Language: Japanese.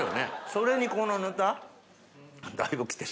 それにこのぬた。